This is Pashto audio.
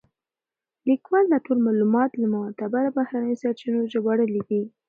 لیکوال دا ټول معلومات له معتبرو بهرنیو سرچینو ژباړلي دي.